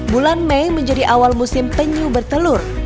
bulan mei menjadi awal musim penyu bertelur